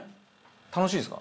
楽しいですか？